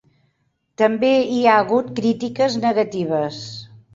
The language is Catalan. També hi ha hagut crítiques negatives.